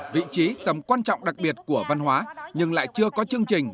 vị trí tầm quan trọng đặc biệt của văn hóa nhưng lại chưa có chương trình